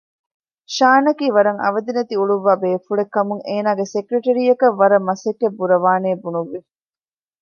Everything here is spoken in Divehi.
ޝާން އަކީ ވަރަށް އަވަދި ނެތި އުޅުއްވާ ބޭފުޅެއް ކަމުން އޭނާގެ ސެކެޓްރީއަކަށް ވަރަށް މަސައްކަތް ބުރަވާނެއޭ ބުނުއްވި